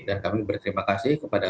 dan kami berterima kasih kepada